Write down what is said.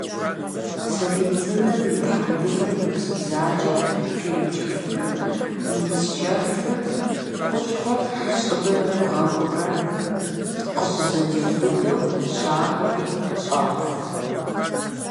Сабий цӀынэм и тхьэмбылым Ӏупс бзаджэр къимыкӀыфмэ, мыпсчэфмэ, хущхъуэр щӀыбымрэ бгъэгумрэ къызэщӀиубыдэу щахуэри щӀауфэ.